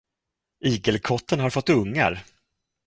Igelkotten har fått ungar!